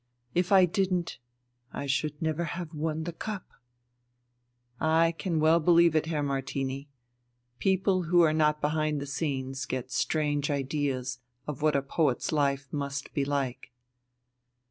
If I didn't, I should never have won the cup." "I can well believe it, Herr Martini. People who are not behind the scenes get strange ideas of what a poet's life must be like."